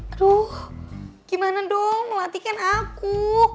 aduh gimana dong melatihkan aku